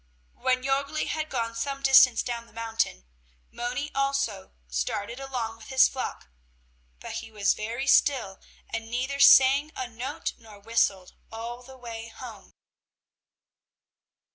When Jörgli had gone some distance down the mountain, Moni also started along with his flock, but he was very still and neither sang a note nor whistled, all the way home.